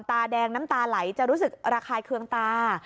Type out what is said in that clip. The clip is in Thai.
ตาแดงน้ำตาไหลจะรู้สึกระคายเคืองตา